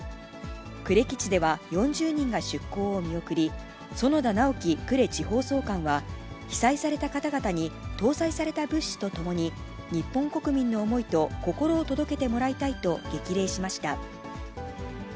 呉基地では４０人が出港を見送り、園田直紀呉地方総監は、被災された方々に搭載された物資とともに、日本国民の思いと心を届けてもらいたいと激励しました。